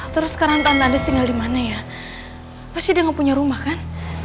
terus sekarang tante andis tinggal dimana ya pasti dia gak punya rumah kan